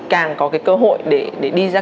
càng có cái cơ hội để đi ra